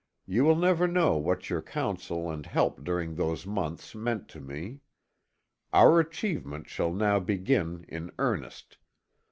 You will never know what your counsel and help during those months meant to me. Our achievements shall now begin in earnest.